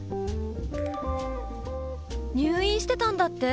入院してたんだって？